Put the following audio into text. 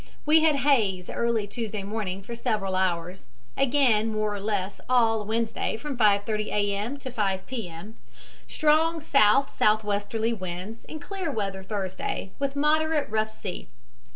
We had haze early Tuesday morning for several hours; again more or less all Wednesday from 5.30 A. M. to 5 P. M.; strong south southwesterly winds and clear weather Thursday, with moderate rough sea.